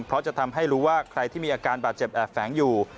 เพราะจะทำให้รู้ว่าใครที่มีอาการบาดเจ็บแอบแฝงอยู่